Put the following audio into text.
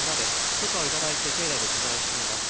許可をいただいて、境内で取材をしています。